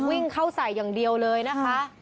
วิ่งเข้าใส่อย่างเดียวเลยนะคะ